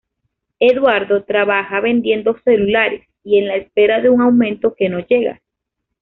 Eduardo trabaja vendiendo celulares, y en la espera de un aumento que no llega.